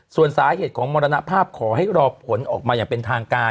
ส่วนสาเหตุของมรณภาพขอให้รอผลออกมาอย่างเป็นทางการ